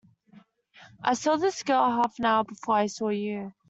I saw this girl half an hour before I saw you.